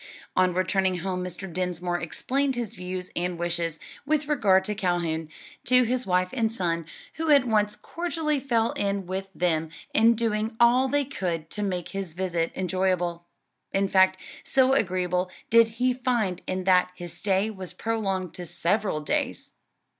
On returning home Mr. Dinsmore explained his views and wishes, with regard to Calhoun, to his wife and son, who at once cordially fell in with them in doing all they could to make his visit enjoyable. In fact, so agreeable did he find it that his stay was prolonged to several days.